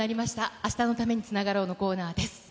明日のために、今日つながろう。のコーナーです。